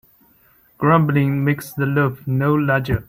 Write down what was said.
Grumbling makes the loaf no larger.